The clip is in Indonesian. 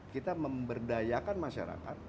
kita memberdayakan masyarakat